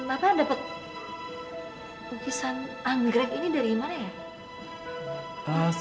bapak dapat lukisan anggrek ini dari mana ya